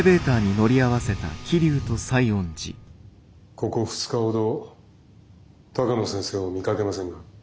ここ２日ほど鷹野先生を見かけませんが。